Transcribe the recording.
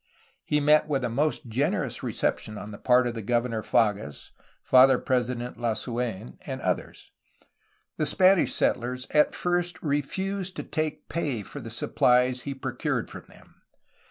He met with a most generous reception on the part of Governor Fages, Father President Lasuen, and others. The Spanish settlers at first refused to take pay for the supplies he pro cured from them.